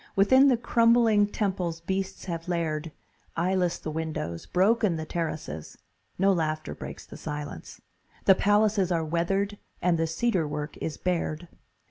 Within the crumbling temples beasts have laired; Eyeless the windows, broken the terraces; No laughter breaks the silence. The palaces Are weathered and the cedar work is bared.